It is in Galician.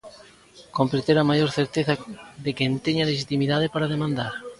Cómpre ter a maior certeza de quen teña lexitimidade para demandar.